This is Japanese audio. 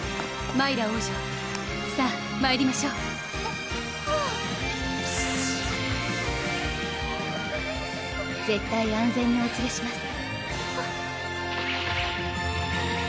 マイラ王女さぁまいりましょうははぁ絶対安全におつれします